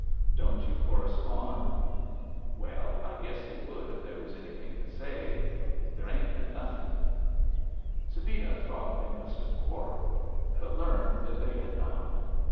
"Don't you correspond?" "Well, I guess he would if there was anything to say. There ain't been nothin'." Sabina thought they must have quarrelled, but learned that they had not.